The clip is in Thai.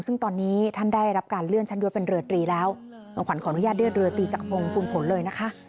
ซึ่งตอนนี้ท่านได้รับการเลื่อนชั้นยศเป็นเรือตรีแล้วน้องขวัญขออนุญาตเลือกเรือตรีจักรพงศ์ภูมิผลเลยนะคะ